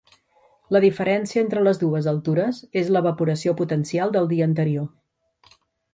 La diferència entre les dues altures és l'evaporació potencial del dia anterior.